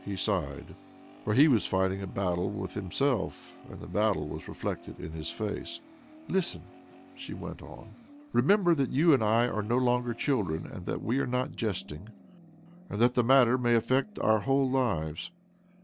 He sighed, for he was fighting' a battle with himself, and the battle was reflected in his face. "Listen," she went on. " Remember that you and I are no longer children, and that we are not jesting, and that the rhatter may affect our whole lives.